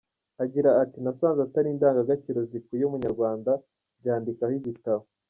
Agira ati "Nasanze atari indangagaciro zikwiye Umunyarwanda mbyandikaho igitabo.